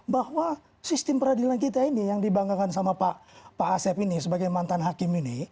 bahwa sistem peradilan kita ini yang dibanggakan sama pak asep ini sebagai mantan hakim ini